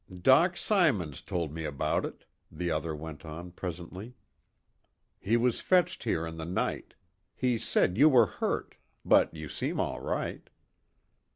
"Doc Symons told me about it," the other went on presently. "He was fetched here in the night. He said you were hurt. But you seem all right."